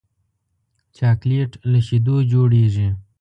چاکلېټ له شیدو جوړېږي.